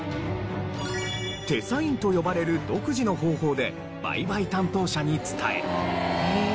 手サインと呼ばれる独自の方法で売買担当者に伝え。